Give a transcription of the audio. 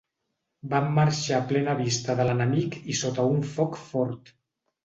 Van marxar a plena vista de l'enemic i sota un foc fort.